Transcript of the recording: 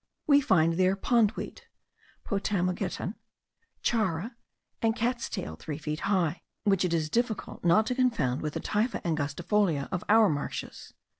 We find there, pondweed (potamogeton), chara, and cats' tail three feet high, which it is difficult not to confound with the Typha angustifolia of our marshes.